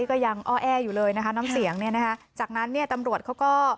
ก็ยังอ้อแออยู่เลยนะคะน้ำเสียงจากนั้นตำรวจเขาก็